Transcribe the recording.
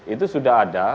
itu sudah ada